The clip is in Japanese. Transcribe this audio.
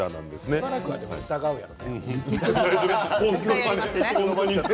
しばらくは疑うよね。